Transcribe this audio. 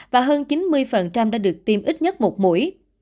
và hơn chín mươi đã được tiêm ít nhất một mũi